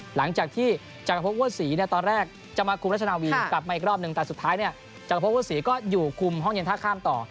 หลังจากที่จักรพบว่าศรีเนี่ยตอนแรกจะมาคุมรัชนาวีกลับมาอีกรอบหนึ่งแต่สุดท้ายเนี่ยจักรพบว่าศรีก็อยู่คุมห้องเย็นท่าข้ามต่อ